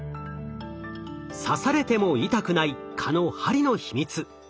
刺されても痛くない蚊の針の秘密。